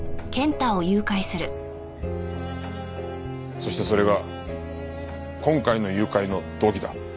そしてそれが今回の誘拐の動機だ。